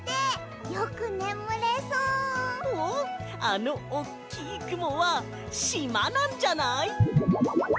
あのおっきいくもはしまなんじゃない？